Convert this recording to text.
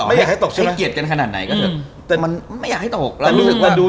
ไม่อยากให้ตกใช่ไหมไม่อยากให้เกียรติกันขนาดไหนก็เถอะแต่ไม่อยากให้ตก